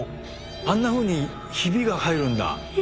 あんなふうにヒビが入るんだ！